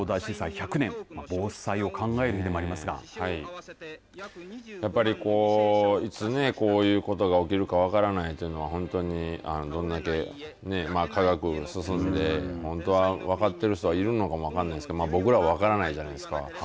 １００年いつ、こういうことが起きるか分からないというのはどれだけ科学、進んで本当は分かっている人いるのかも分からないですが僕らは分からないじゃないですか。